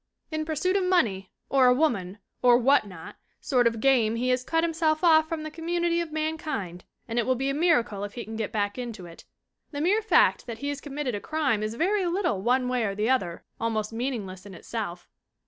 In pursuit of money, or a woman, or what not sort of game he has cut himself off from the community of mankind and it will be a miracle if he can get back into it. The mere fact that he has committed a crime is very little one way or the other, almost meaningless in itself.